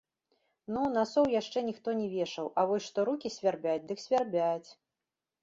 Ну, насоў яшчэ ніхто не вешаў, а вось што рукі свярбяць, дык свярбяць.